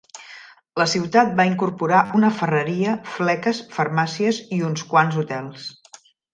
La ciutat va incorporar una ferreria, fleques, farmàcies i uns quants hotels.